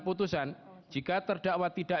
putusan jika terdakwa tidak